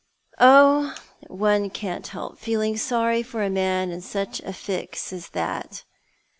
"Oh, one can't help feeling sorry for a fellow in such a fix as that.